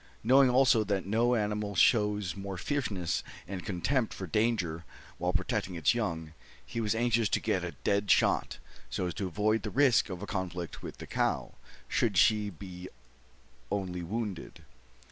Knowing, also, that no animal shows more fierceness and contempt for danger, while protecting its young, he was anxious to get a dead shot, so as to avoid the risk of a conflict with the cow, should she be only wounded.